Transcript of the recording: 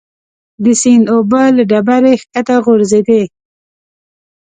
د سیند اوبه له ډبرې ښکته غورځېدې.